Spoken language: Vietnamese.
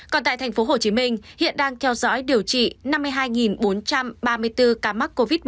còn tại tp hcm hiện đang theo dõi điều trị năm mươi hai bốn trăm ba mươi bốn ca mắc covid một mươi chín